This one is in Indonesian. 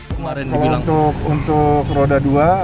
kalau untuk roda dua